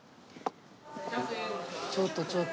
ちょっとちょっと。